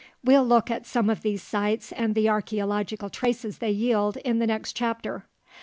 We'll look at some of these sites and the archeological traces they yield in the next chapter.